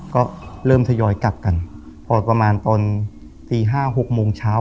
ก็เริ่มทยอยกลับกันพอประมาณตอนตีห้าหกโมงเช้า